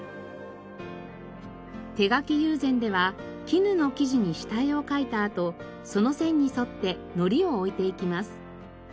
手描友禅では絹の生地に下絵を描いたあとその線に沿ってのりを置いていきます。